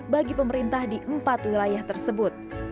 bagi pemerintah di empat wilayah tersebut